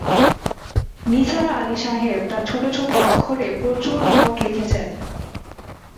নিসার আলি সাহেব তাঁর ছোট-ছোট অক্ষরে প্রচুর নোিট লিখেছেন।